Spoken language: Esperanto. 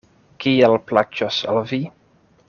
Kiel plaĉos al vi.